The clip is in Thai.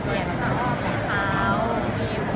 มีโครงการทุกทีใช่ไหม